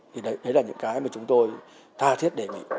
thì đấy là những cái mà chúng tôi tha thiết đề nghị